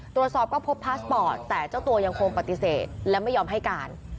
ตรวจสอบก็พบพาสปอร์ตแต่เจ้าตัวยังคงปฏิเสธและไม่ยอมให้การ